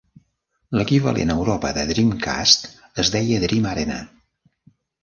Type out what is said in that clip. L'equivalent a Europa de Dreamcast es deia Dreamarena.